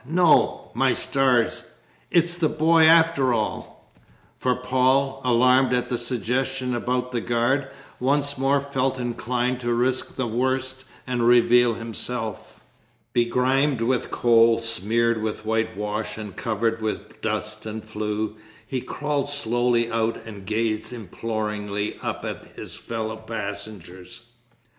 No, my stars it's the boy, after all!" For Paul, alarmed at the suggestion about the guard, once more felt inclined to risk the worst and reveal himself. Begrimed with coal, smeared with whitewash, and covered with dust and flue, he crawled slowly out and gazed imploringly up at his fellow passengers.